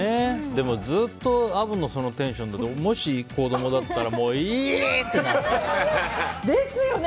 でもずっとアブのテンションだともし子供だったらいー！ってなる。ですよね。